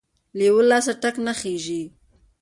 ـ له يوه لاسه ټک نخيژي.